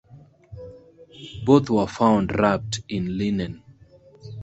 Both were found wrapped in linen.